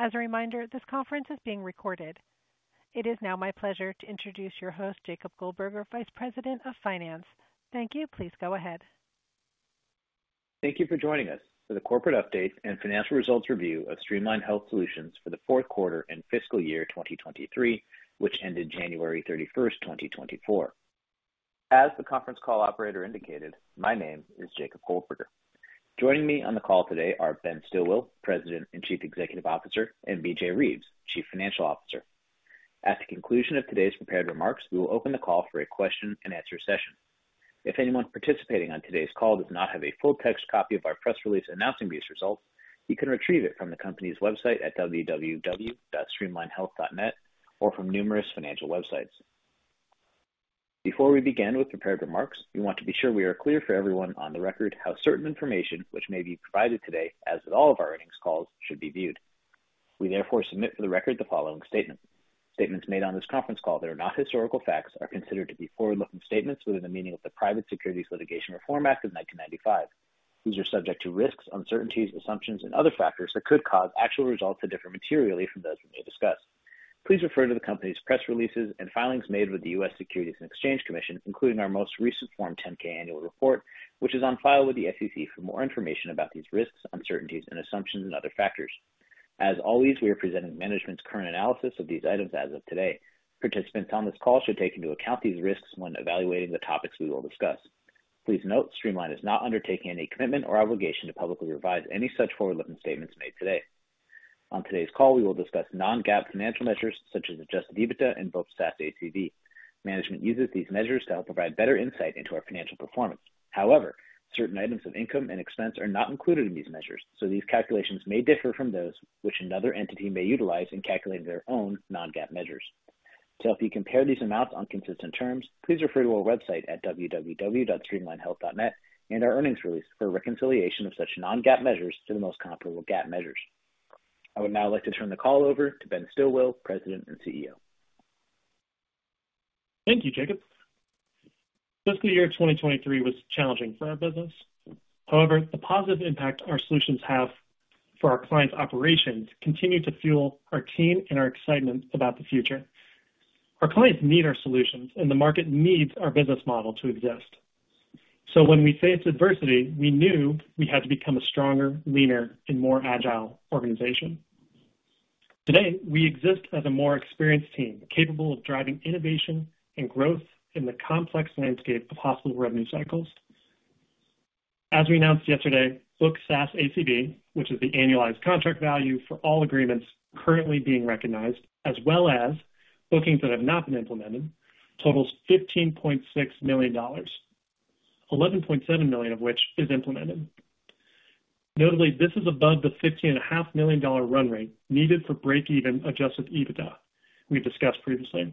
As a reminder, this conference is being recorded. It is now my pleasure to introduce your host, Jacob Goldberger, Vice President of Finance. Thank you. Please go ahead. Thank you for joining us for the corporate update and financial results review of Streamline Health Solutions for the Q4 and fiscal year 2023, which ended January 31, 2024. As the conference call operator indicated, my name is Jacob Goldberger. Joining me on the call today are Ben Stilwill, President and Chief Executive Officer, and B.J. Reeves, Chief Financial Officer. At the conclusion of today's prepared remarks, we will open the call for a question and answer session. If anyone participating on today's call does not have a full text copy of our press release announcing these results, you can retrieve it from the company's website at www.streamlinehealth.net or from numerous financial websites. Before we begin with prepared remarks, we want to be sure we are clear for everyone on the record how certain information which may be provided today, as with all of our earnings calls, should be viewed. We therefore submit for the record the following statement. Statements made on this conference call that are not historical facts are considered to be forward-looking statements within the meaning of the Private Securities Litigation Reform Act of 1995. These are subject to risks, uncertainties, assumptions, and other factors that could cause actual results to differ materially from those which may discuss. Please refer to the company's press releases and filings made with the U.S. Securities and Exchange Commission, including our most recent Form 10-K annual report, which is on file with the SEC for more information about these risks, uncertainties and assumptions and other factors. As always, we are presenting management's current analysis of these items as of today. Participants on this call should take into account these risks when evaluating the topics we will discuss. Please note, Streamline is not undertaking any commitment or obligation to publicly revise any such forward-looking statements made today. On today's call, we will discuss non-GAAP financial measures such as Adjusted EBITDA and Booked SaaS ACV. Management uses these measures to help provide better insight into our financial performance. However, certain items of income and expense are not included in these measures, so these calculations may differ from those which another entity may utilize in calculating their own non-GAAP measures. To help you compare these amounts on consistent terms, please refer to our website at www.streamlinehealth.net and our earnings release for a reconciliation of such non-GAAP measures to the most comparable GAAP measures. I would now like to turn the call over to Ben Stilwill, President and CEO. Thank you, Jacob. Fiscal year 2023 was challenging for our business. However, the positive impact our solutions have for our clients' operations continued to fuel our team and our excitement about the future. Our clients need our solutions and the market needs our business model to exist. So when we faced adversity, we knew we had to become a stronger, leaner, and more agile organization. Today, we exist as a more experienced team, capable of driving innovation and growth in the complex landscape of hospital revenue cycles. As we announced yesterday, Booked SaaS ACV, which is the annualized contract value for all agreements currently being recognized, as well as bookings that have not been implemented, totals $15.6 million, $11.7 million of which is implemented. Notably, this is above the $15.5 million run rate needed for break-even adjusted EBITDA we've discussed previously.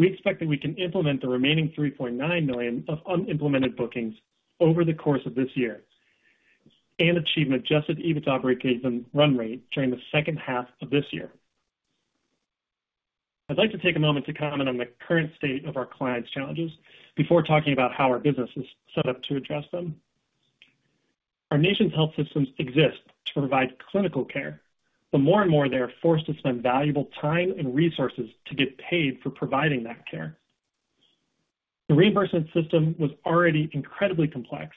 We expect that we can implement the remaining $3.9 million of unimplemented bookings over the course of this year and achieve an adjusted EBITDA operating run rate during the second half of this year. I'd like to take a moment to comment on the current state of our clients' challenges before talking about how our business is set up to address them. Our nation's health systems exist to provide clinical care, but more and more, they are forced to spend valuable time and resources to get paid for providing that care. The reimbursement system was already incredibly complex,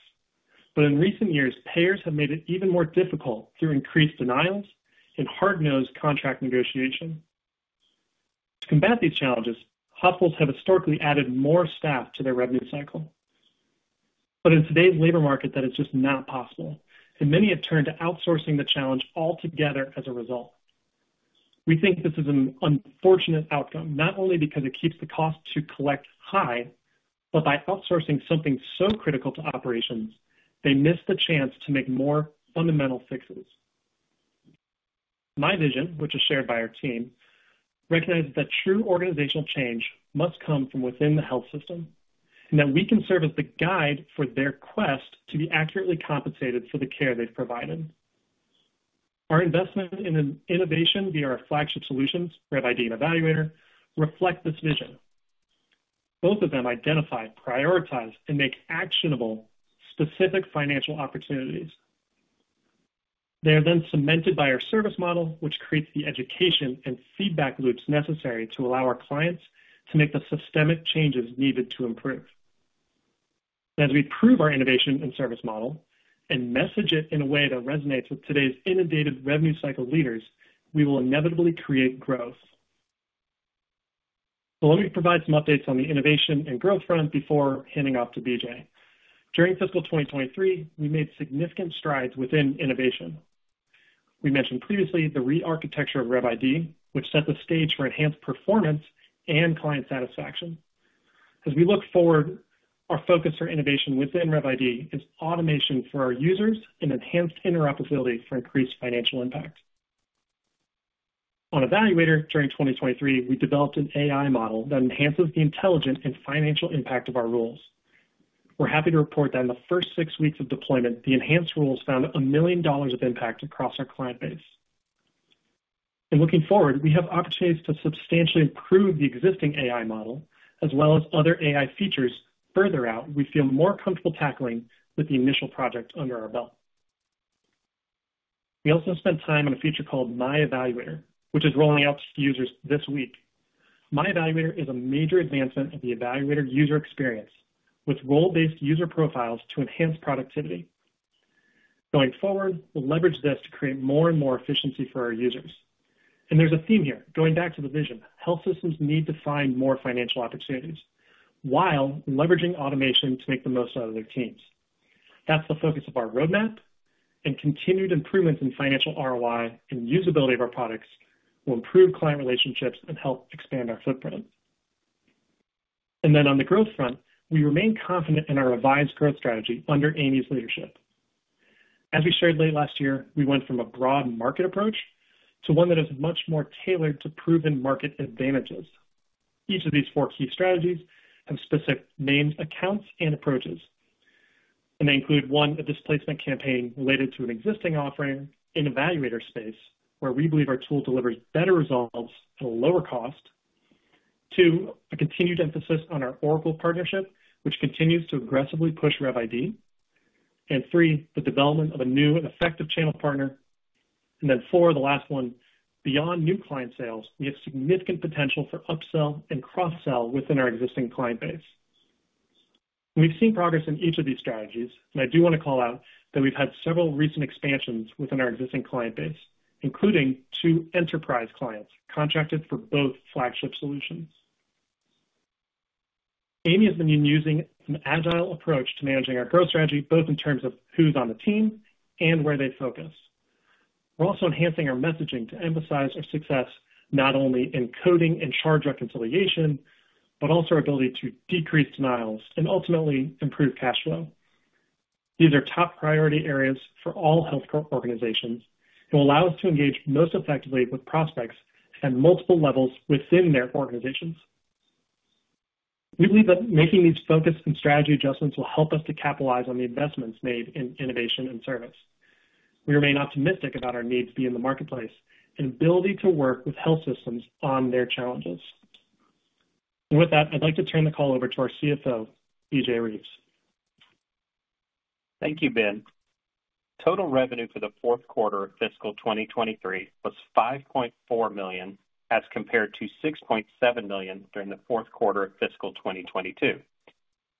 but in recent years, payers have made it even more difficult through increased denials and hard-nosed contract negotiation. To combat these challenges, hospitals have historically added more staff to their revenue cycle. But in today's labor market, that is just not possible, and many have turned to outsourcing the challenge altogether as a result. We think this is an unfortunate outcome, not only because it keeps the cost to collect high, but by outsourcing something so critical to operations, they miss the chance to make more fundamental fixes. My vision, which is shared by our team, recognizes that true organizational change must come from within the health system and that we can serve as the guide for their quest to be accurately compensated for the care they've provided. Our investment in an innovation via our flagship solutions, RevID and eValuator, reflect this vision. Both of them identify, prioritize, and make actionable specific financial opportunities. They are then cemented by our service model, which creates the education and feedback loops necessary to allow our clients to make the systemic changes needed to improve. As we prove our innovation and service model and message it in a way that resonates with today's inundated revenue cycle leaders, we will inevitably create growth. So let me provide some updates on the innovation and growth front before handing off to BJ. During fiscal 2023, we made significant strides within innovation. We mentioned previously the rearchitecture of RevID, which set the stage for enhanced performance and client satisfaction. As we look forward, our focus for innovation within RevID is automation for our users and enhanced interoperability for increased financial impact. On eValuator, during 2023, we developed an AI model that enhances the intelligence and financial impact of our rules. We're happy to report that in the first six weeks of deployment, the enhanced rules found $1 million of impact across our client base.... Looking forward, we have opportunities to substantially improve the existing AI model as well as other AI features. Further out, we feel more comfortable tackling with the initial project under our belt. We also spent time on a feature called My eValuator, which is rolling out to users this week. My eValuator is a major advancement of the eValuator user experience, with role-based user profiles to enhance productivity. Going forward, we'll leverage this to create more and more efficiency for our users. And there's a theme here. Going back to the vision, health systems need to find more financial opportunities while leveraging automation to make the most out of their teams. That's the focus of our roadmap, and continued improvements in financial ROI and usability of our products will improve client relationships and help expand our footprint. And then on the growth front, we remain confident in our revised growth strategy under Amy's leadership. As we shared late last year, we went from a broad market approach to one that is much more tailored to proven market advantages. Each of these 4 key strategies have specific named accounts and approaches, and they include, 1, a displacement campaign related to an existing offering in eValuator space, where we believe our tool delivers better results at a lower cost. 2, a continued emphasis on our Oracle partnership, which continues to aggressively push RevID. And 3, the development of a new and effective channel partner. Then four, the last one, beyond new client sales, we have significant potential for upsell and cross-sell within our existing client base. We've seen progress in each of these strategies, and I do want to call out that we've had several recent expansions within our existing client base, including two enterprise clients contracted for both flagship solutions. Amy has been using an agile approach to managing our growth strategy, both in terms of who's on the team and where they focus. We're also enhancing our messaging to emphasize our success, not only in coding and charge reconciliation, but also our ability to decrease denials and ultimately improve cash flow. These are top priority areas for all healthcare organizations and will allow us to engage most effectively with prospects at multiple levels within their organizations. We believe that making these focused and strategy adjustments will help us to capitalize on the investments made in innovation and service. We remain optimistic about our needs being in the marketplace and ability to work with health systems on their challenges. With that, I'd like to turn the call over to our CFO, B.J. Reeves. Thank you, Ben. Total revenue for the Q4 of fiscal 2023 was $5.4 million, as compared to $6.7 million during the Q4 of fiscal 2022.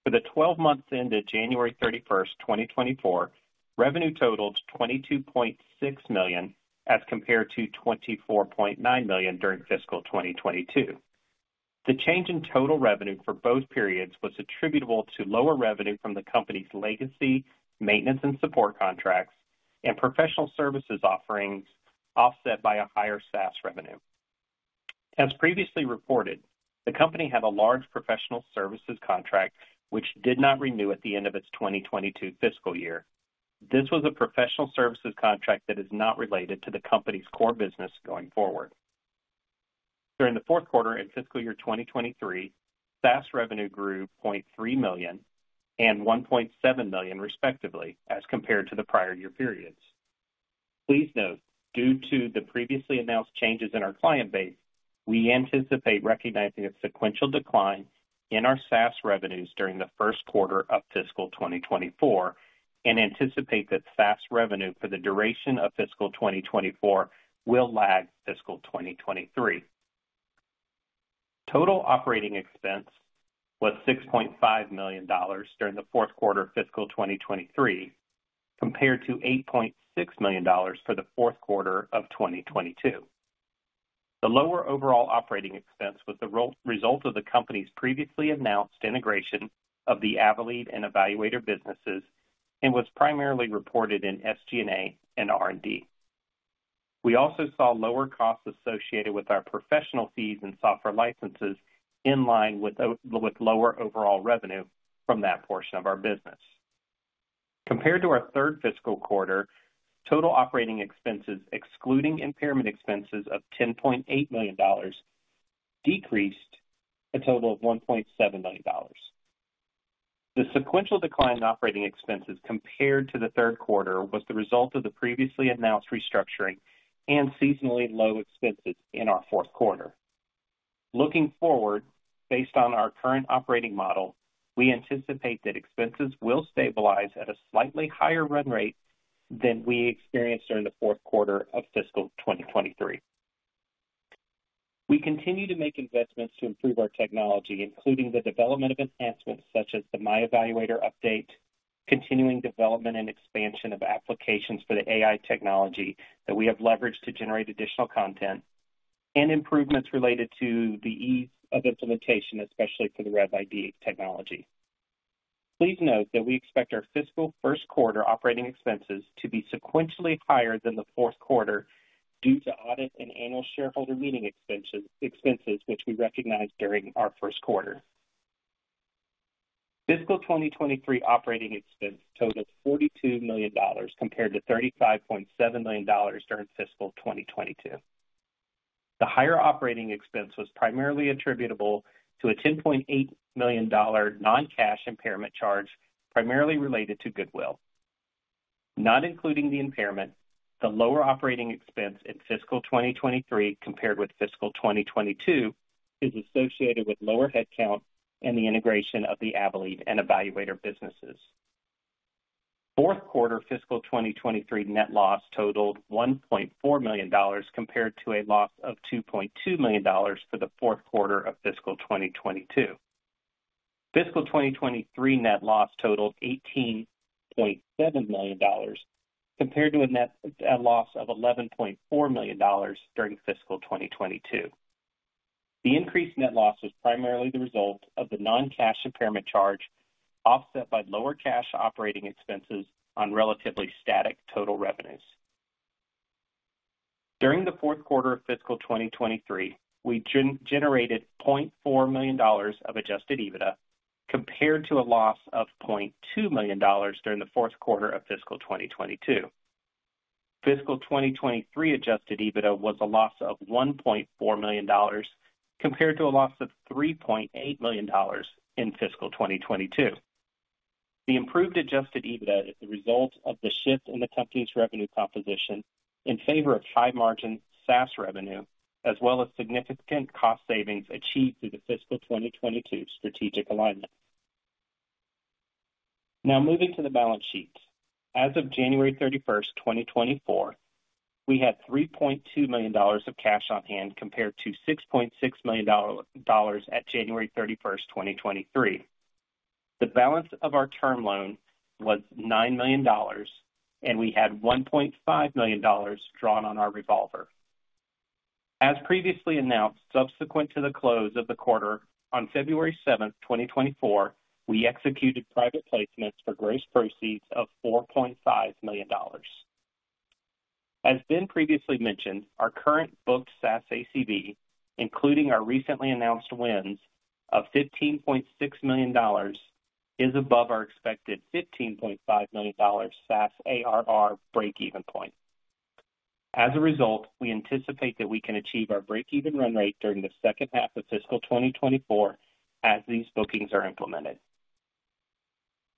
For the 12 months ended January 31, 2024, revenue totaled $22.6 million, as compared to $24.9 million during fiscal 2022. The change in total revenue for both periods was attributable to lower revenue from the company's legacy, maintenance and support contracts, and professional services offerings, offset by a higher SaaS revenue. As previously reported, the company had a large professional services contract, which did not renew at the end of its 2022 fiscal year. This was a professional services contract that is not related to the company's core business going forward. During the Q4 in fiscal year 2023, SaaS revenue grew $0.3 million and $1.7 million, respectively, as compared to the prior year periods. Please note, due to the previously announced changes in our client base, we anticipate recognizing a sequential decline in our SaaS revenues during the Q1 of fiscal 2024, and anticipate that SaaS revenue for the duration of fiscal 2024 will lag fiscal 2023. Total operating expense was $6.5 million during the Q4 of fiscal 2023, compared to $8.6 million for the Q4 of 2022. The lower overall operating expense was the result of the company's previously announced integration of the Avelead and eValuator businesses and was primarily reported in SG&A and R&D. We also saw lower costs associated with our professional fees and software licenses, in line with with lower overall revenue from that portion of our business. Compared to our third fiscal quarter, total operating expenses, excluding impairment expenses of $10.8 million, decreased a total of $1.7 million. The sequential decline in operating expenses compared to the Q3 was the result of the previously announced restructuring and seasonally low expenses in our Q4. Looking forward, based on our current operating model, we anticipate that expenses will stabilize at a slightly higher run rate than we experienced during the Q4 of fiscal 2023. We continue to make investments to improve our technology, including the development of enhancements such as the My eValuator update, continuing development and expansion of applications for the AI technology that we have leveraged to generate additional content, and improvements related to the ease of implementation, especially for the RevID technology. Please note that we expect our fiscal Q1 operating expenses to be sequentially higher than the Q4 due to audit and annual shareholder meeting expenses, expenses which we recognize during our Q1. Fiscal 2023 operating expense totaled $42 million, compared to $35.7 million during fiscal 2022. The higher operating expense was primarily attributable to a $10.8 million non-cash impairment charge, primarily related to goodwill.... Not including the impairment, the lower operating expense in fiscal 2023 compared with fiscal 2022 is associated with lower headcount and the integration of the Avelead and eValuator businesses. Q4 fiscal 2023 net loss totaled $1.4 million, compared to a loss of $2.2 million for the Q4 of fiscal 2022. Fiscal 2023 net loss totaled $18.7 million, compared to a net loss of $11.4 million during fiscal 2022. The increased net loss was primarily the result of the non-cash impairment charge, offset by lower cash operating expenses on relatively static total revenues. During the Q4 of fiscal 2023, we generated $0.4 million of Adjusted EBITDA, compared to a loss of $0.2 million during the Q4 of fiscal 2022. Fiscal 2023 adjusted EBITDA was a loss of $1.4 million, compared to a loss of $3.8 million in Fiscal 2022. The improved adjusted EBITDA is the result of the shift in the company's revenue composition in favor of high-margin SaaS revenue, as well as significant cost savings achieved through the Fiscal 2022 strategic alignment. Now moving to the balance sheet. As of January 31, 2024, we had $3.2 million of cash on hand compared to $6.6 million at January 31, 2023. The balance of our term loan was $9 million, and we had $1.5 million drawn on our revolver. As previously announced, subsequent to the close of the quarter, on February 7, 2024, we executed private placements for gross proceeds of $4.5 million. As Ben previously mentioned, our current booked SaaS ACV, including our recently announced wins of $15.6 million, is above our expected $15.5 million SaaS ARR breakeven point. As a result, we anticipate that we can achieve our breakeven run rate during the second half of fiscal 2024 as these bookings are implemented.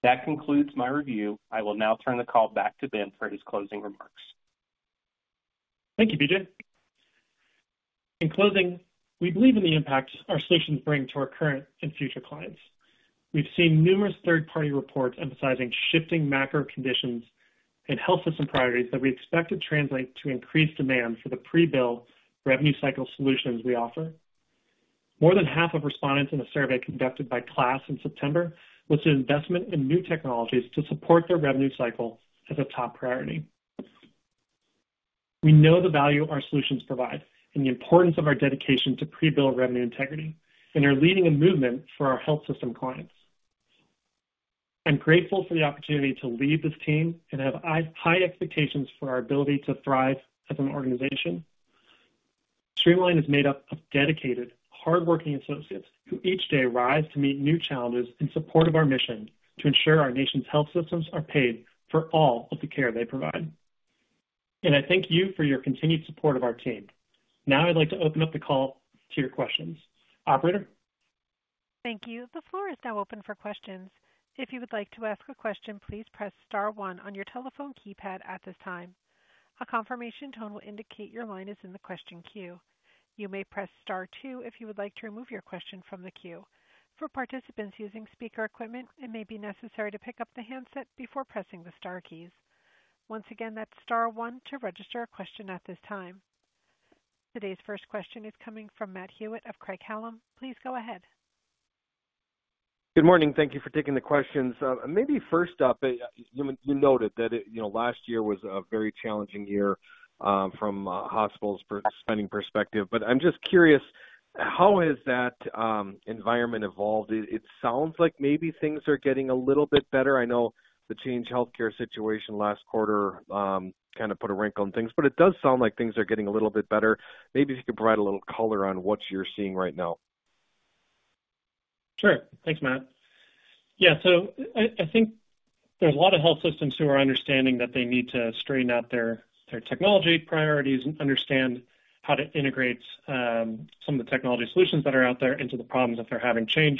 That concludes my review. I will now turn the call back to Ben for his closing remarks. Thank you, B.J. In closing, we believe in the impact our solutions bring to our current and future clients. We've seen numerous third-party reports emphasizing shifting macro conditions and health system priorities that we expect to translate to increased demand for the pre-bill revenue cycle solutions we offer. More than half of respondents in a survey conducted by KLAS in September, with investment in new technologies to support their revenue cycle as a top priority. We know the value our solutions provide and the importance of our dedication to pre-bill revenue integrity, and are leading a movement for our health system clients. I'm grateful for the opportunity to lead this team and have high expectations for our ability to thrive as an organization. Streamline is made up of dedicated, hardworking associates who each day rise to meet new challenges in support of our mission to ensure our nation's health systems are paid for all of the care they provide. I thank you for your continued support of our team. Now, I'd like to open up the call to your questions. Operator? Thank you. The floor is now open for questions. If you would like to ask a question, please press star one on your telephone keypad at this time. A confirmation tone will indicate your line is in the question queue. You may press star two if you would like to remove your question from the queue. For participants using speaker equipment, it may be necessary to pick up the handset before pressing the star keys. Once again, that's star one to register a question at this time. Today's first question is coming from Matt Hewitt of Craig-Hallum. Please go ahead. Good morning. Thank you for taking the questions. Maybe first up, you, you noted that, you know, last year was a very challenging year from a hospital's per-spending perspective. But I'm just curious, how has that environment evolved? It, it sounds like maybe things are getting a little bit better. I know the Change Healthcare situation last quarter kind of put a wrinkle on things, but it does sound like things are getting a little bit better. Maybe if you could provide a little color on what you're seeing right now. Sure. Thanks, Matt. Yeah, so I think there's a lot of health systems who are understanding that they need to straighten out their technology priorities and understand how to integrate some of the technology solutions that are out there into the problems that they're having. Change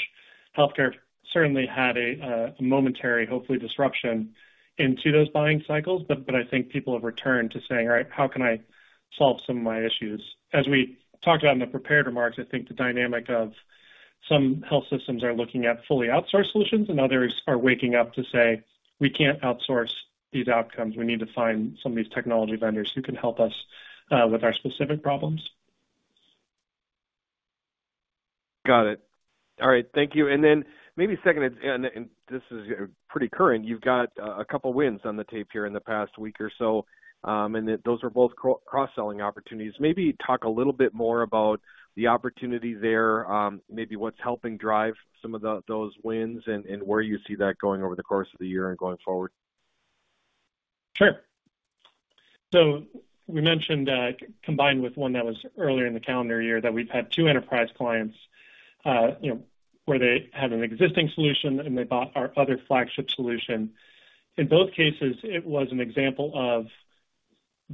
Healthcare certainly had a momentary, hopefully, disruption into those buying cycles, but I think people have returned to saying, "All right, how can I solve some of my issues?" As we talked about in the prepared remarks, I think the dynamic of some health systems are looking at fully outsourced solutions, and others are waking up to say, "We can't outsource these outcomes. We need to find some of these technology vendors who can help us with our specific problems. Got it. All right, thank you. And then maybe second, and this is pretty current. You've got a couple wins on the tape here in the past week or so, and those are both cross-selling opportunities. Maybe talk a little bit more about the opportunity there, maybe what's helping drive some of those wins and where you see that going over the course of the year and going forward. Sure. So we mentioned that combined with one that was earlier in the calendar year, that we've had two enterprise clients, you know, where they had an existing solution, and they bought our other flagship solution. In both cases, it was an example of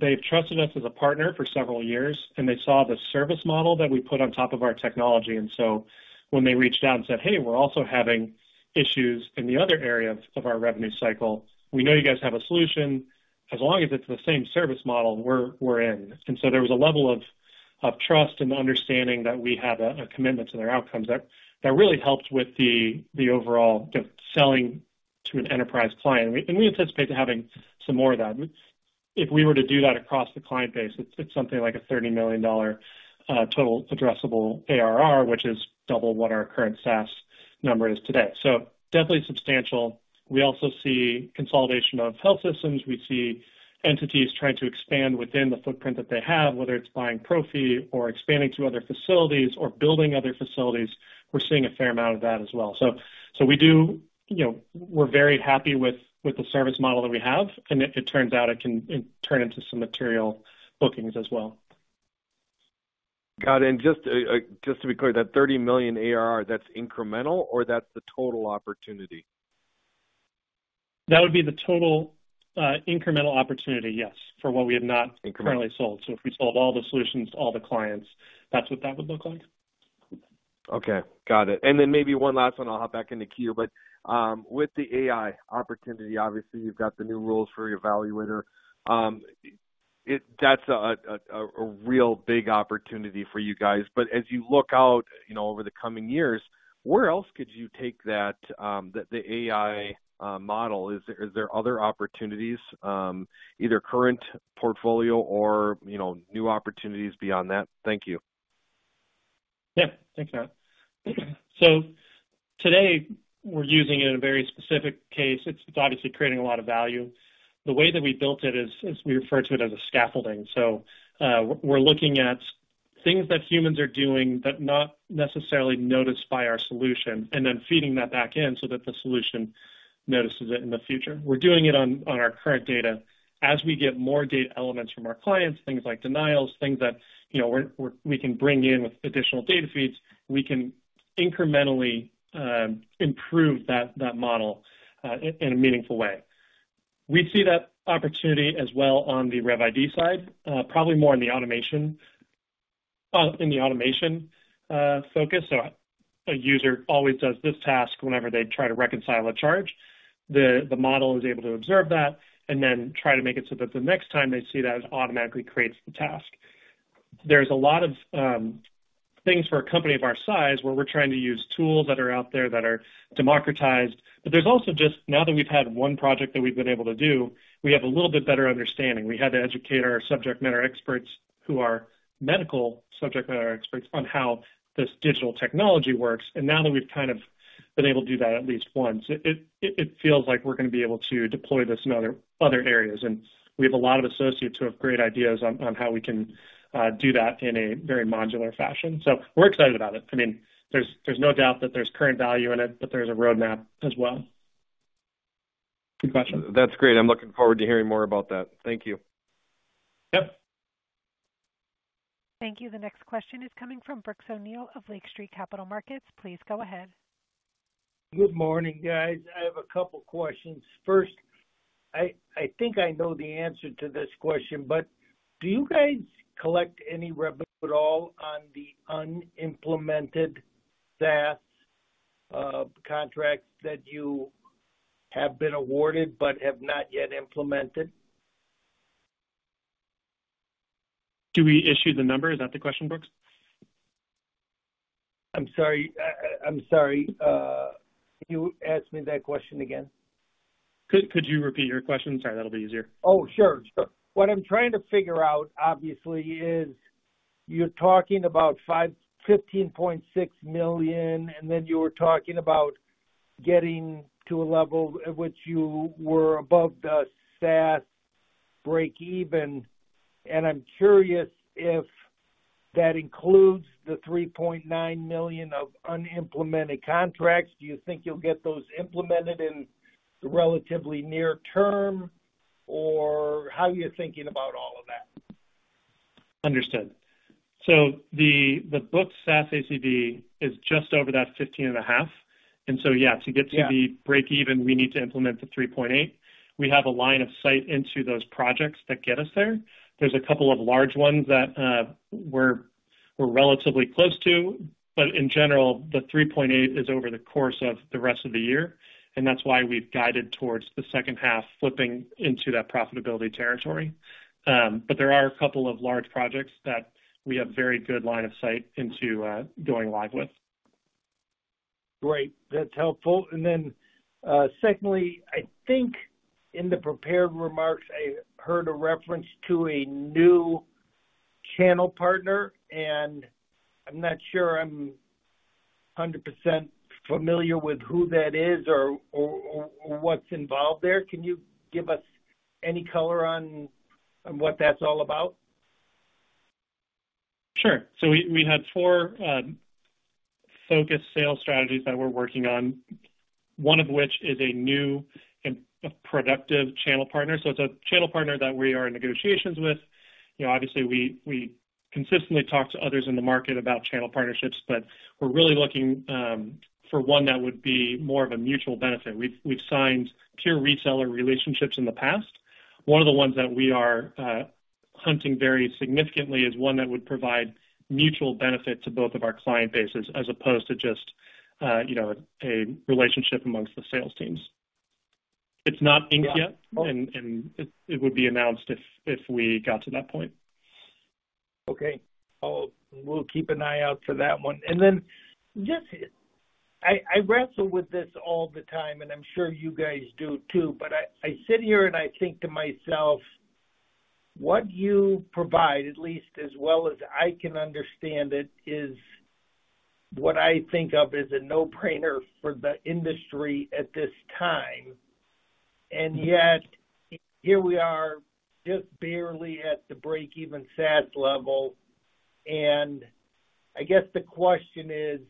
they've trusted us as a partner for several years, and they saw the service model that we put on top of our technology. And so when they reached out and said, "Hey, we're also having issues in the other area of our revenue cycle. We know you guys have a solution. As long as it's the same service model, we're, we're in." And so there was a level of, of trust and understanding that we have a, a commitment to their outcomes that, that really helped with the, the overall selling to an enterprise client. And we anticipate to having some more of that. If we were to do that across the client base, it's something like a $30 million total addressable ARR, which is double what our current SaaS number is today. So definitely substantial. We also see consolidation of health systems. We see entities trying to expand within the footprint that they have, whether it's buying practices or expanding to other facilities or building other facilities. We're seeing a fair amount of that as well. So we do, you know, we're very happy with the service model that we have, and it turns out it can turn into some material bookings as well. Got it. And just, just to be clear, that $30 million ARR, that's incremental or that's the total opportunity? That would be the total, incremental opportunity, yes, for what we have not currently sold. Incremental. If we sold all the solutions to all the clients, that's what that would look like. Okay, got it. And then maybe one last one, I'll hop back in the queue, but, with the AI opportunity, obviously, you've got the new rules for your eValuator. That's a real big opportunity for you guys. But as you look out, you know, over the coming years, where else could you take that, the AI model? Is there other opportunities, either current portfolio or, you know, new opportunities beyond that? Thank you. Yeah. Thanks, Matt. So today, we're using it in a very specific case. It's obviously creating a lot of value. The way that we built it is, we refer to it as a scaffolding. So, we're looking at things that humans are doing that not necessarily noticed by our solution, and then feeding that back in so that the solution notices it in the future. We're doing it on our current data. As we get more data elements from our clients, things like denials, things that, you know, we can bring in with additional data feeds, we can incrementally improve that model in a meaningful way. We see that opportunity as well on the RevID side, probably more in the automation focus. So a user always does this task whenever they try to reconcile a charge. The model is able to observe that and then try to make it so that the next time they see that, it automatically creates the task. There's a lot of things for a company of our size, where we're trying to use tools that are out there that are democratized. But there's also just now that we've had one project that we've been able to do, we have a little bit better understanding. We had to educate our subject matter experts, who are medical subject matter experts, on how this digital technology works. And now that we've kind of been able to do that at least once, it feels like we're gonna be able to deploy this in other areas. We have a lot of associates who have great ideas on how we can do that in a very modular fashion. So we're excited about it. I mean, there's no doubt that there's current value in it, but there's a roadmap as well. Good question. That's great. I'm looking forward to hearing more about that. Thank you. Yep. Thank you. The next question is coming from Brooks O'Neil of Lake Street Capital Markets. Please go ahead. Good morning, guys. I have a couple questions. First, I think I know the answer to this question, but do you guys collect any revenue at all on the unimplemented SaaS contracts that you have been awarded but have not yet implemented? Do we issue the number? Is that the question, Brooks? I'm sorry, I'm sorry, can you ask me that question again? Could you repeat your question? Sorry, that'll be easier. Oh, sure. What I'm trying to figure out, obviously, is you're talking about $15.6 million, and then you were talking about getting to a level at which you were above the SaaS breakeven. I'm curious if that includes the $3.9 million of unimplemented contracts. Do you think you'll get those implemented in the relatively near term, or how are you thinking about all of that? Understood. So the booked SaaS ACV is just over that $15.5. And so, yeah, to get to the breakeven, we need to implement the $3.8. We have a line of sight into those projects that get us there. There's a couple of large ones that we're relatively close to, but in general, the $3.8 is over the course of the rest of the year, and that's why we've guided towards the second half, flipping into that profitability territory. But there are a couple of large projects that we have very good line of sight into, going live with. Great, that's helpful. And then, secondly, I think in the prepared remarks, I heard a reference to a new channel partner, and I'm not sure I'm 100% familiar with who that is or what's involved there. Can you give us any color on what that's all about? Sure. So we had four focused sales strategies that we're working on, one of which is a new and productive channel partner. So it's a channel partner that we are in negotiations with. You know, obviously, we consistently talk to others in the market about channel partnerships, but we're really looking for one that would be more of a mutual benefit. We've signed pure reseller relationships in the past. One of the ones that we are hunting very significantly is one that would provide mutual benefit to both of our client bases, as opposed to just, you know, a relationship amongst the sales teams. It's not inked yet, and it would be announced if we got to that point. Okay. Well, we'll keep an eye out for that one. And then just, I wrestle with this all the time, and I'm sure you guys do, too, but I sit here, and I think to myself, what you provide, at least as well as I can understand it, is what I think of as a no-brainer for the industry at this time. And yet, here we are, just barely at the break-even SaaS level. And I guess the question is: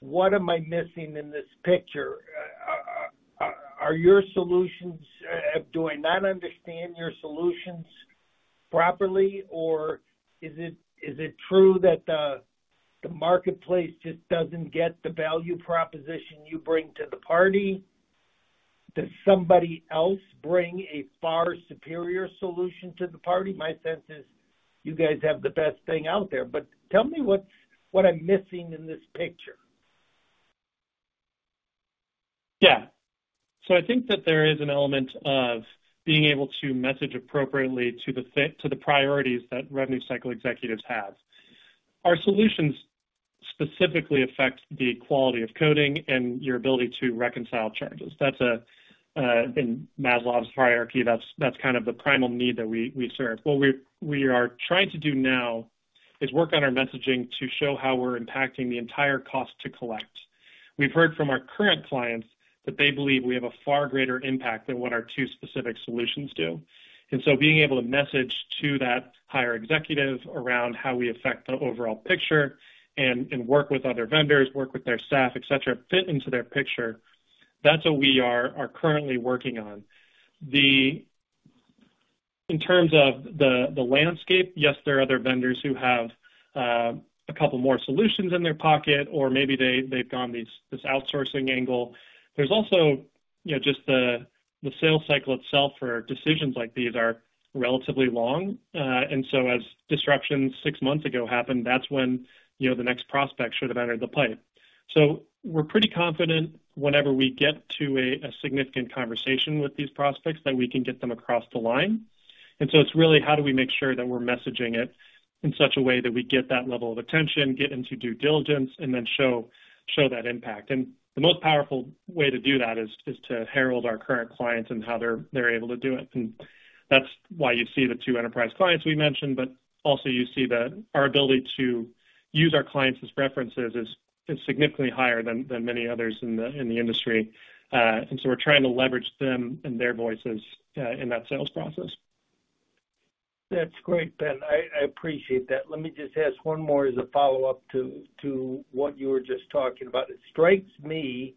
What am I missing in this picture? Are your solutions... Do I not understand your solutions properly, or is it true that the marketplace just doesn't get the value proposition you bring to the party? Does somebody else bring a far superior solution to the party? My sense is you guys have the best thing out there, but tell me what's what I'm missing in this picture. Yeah. So I think that there is an element of being able to message appropriately to the fit, to the priorities that revenue cycle executives have. Our solutions specifically affect the quality of coding and your ability to reconcile charges. That's a in Maslow's hierarchy, that's kind of the primal need that we serve. What we are trying to do now is work on our messaging to show how we're impacting the entire cost to collect. We've heard from our current clients that they believe we have a far greater impact than what our two specific solutions do. And so being able to message to that higher executive around how we affect the overall picture and work with other vendors, work with their staff, et cetera, fit into their picture, that's what we are currently working on. In terms of the landscape, yes, there are other vendors who have a couple more solutions in their pocket, or maybe they've gone this outsourcing angle. There's also, you know, just the sales cycle itself for decisions like these are relatively long. And so as disruptions six months ago happened, that's when, you know, the next prospect should have entered the pipe. So we're pretty confident whenever we get to a significant conversation with these prospects, that we can get them across the line. And so it's really how do we make sure that we're messaging it in such a way that we get that level of attention, get into due diligence, and then show that impact? And the most powerful way to do that is to herald our current clients and how they're able to do it. That's why you see the two enterprise clients we mentioned, but also you see that our ability to use our clients' references is significantly higher than many others in the industry. And so we're trying to leverage them and their voices in that sales process. That's great, Ben. I, I appreciate that. Let me just ask one more as a follow-up to, to what you were just talking about. It strikes me,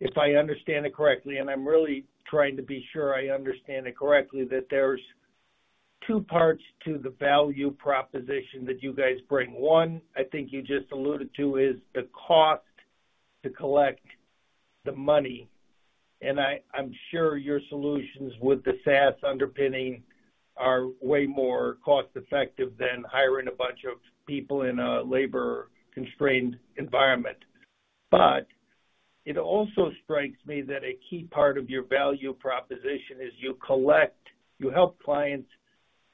if I understand it correctly, and I'm really trying to be sure I understand it correctly, that there's two parts to the value proposition that you guys bring. One, I think you just alluded to, is the cost to collect the money, and I, I'm sure your solutions with the SaaS underpinning are way more cost-effective than hiring a bunch of people in a labor-constrained environment. But it also strikes me that a key part of your value proposition is you collect, you help clients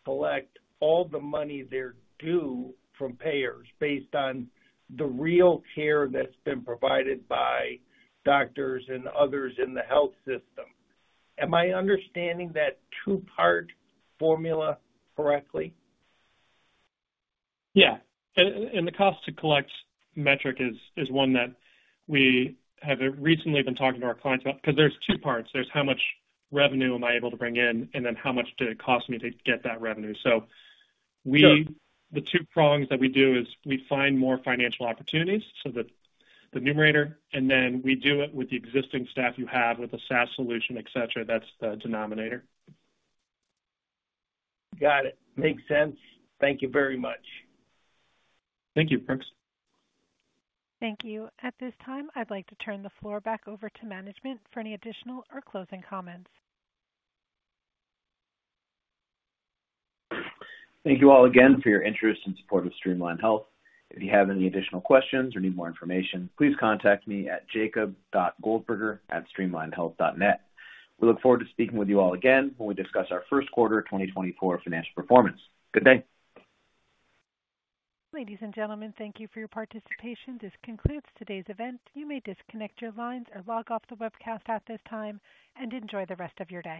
collect all the money they're due from payers based on the real care that's been provided by doctors and others in the health system. Am I understanding that two-part formula correctly? Yeah. And the cost to collect metric is one that we have recently been talking to our clients about because there's two parts. There's how much revenue am I able to bring in, and then how much did it cost me to get that revenue? So we- Sure. The two prongs that we do is we find more financial opportunities, so the numerator, and then we do it with the existing staff you have, with the SaaS solution, et cetera. That's the denominator. Got it. Makes sense. Thank you very much. Thank you, Brooks. Thank you. At this time, I'd like to turn the floor back over to management for any additional or closing comments. Thank you all again for your interest and support of Streamline Health. If you have any additional questions or need more information, please contact me at jacob.goldberger@streamlinehealth.net. We look forward to speaking with you all again when we discuss our Q1 of 2024 financial performance. Good day. Ladies and gentlemen, thank you for your participation. This concludes today's event. You may disconnect your lines or log off the webcast at this time, and enjoy the rest of your day.